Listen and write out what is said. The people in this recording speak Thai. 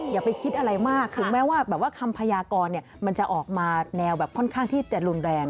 อย่าไปคิดอะไรมากคือแม้ว่าคำพญากรเนี่ยมันจะออกมาแนวแบบค่อนข้างที่แต่รุนแรง